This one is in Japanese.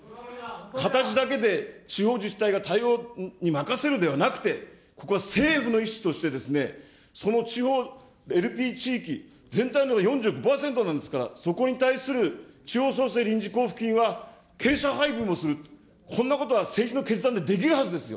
形だけで地方自治体が、対応に任せるというのではなく、ここは政府の意思として、その地方、ＬＰ地域、全体の４５％なんですから、そこに対する地方創生臨時交付金はけいしゃ配分をする、こんなことは政治の決断でできるはずですよ。